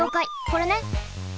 これね。